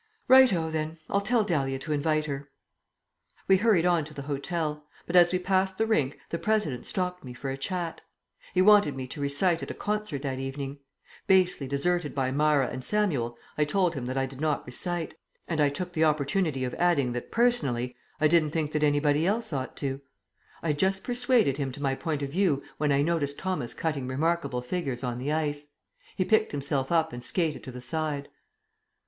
"Right o, then. I'll tell Dahlia to invite her." We hurried on to the hotel; but as we passed the rink the President stopped me for a chat. He wanted me to recite at a concert that evening. Basely deserted by Myra and Samuel, I told him that I did not recite; and I took the opportunity of adding that personally I didn't think anybody else ought to. I had just persuaded him to my point of view when I noticed Thomas cutting remarkable figures on the ice. He picked himself up and skated to the side.